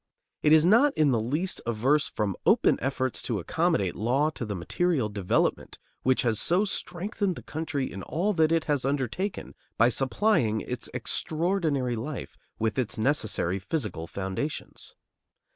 It is not in the least averse from open efforts to accommodate law to the material development which has so strengthened the country in all that it has undertaken by supplying its extraordinary life with its necessary physical foundations.